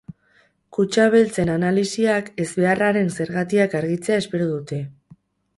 Kutxa beltzen analisiak ezbeharraren zergatiak argitzea espero dute.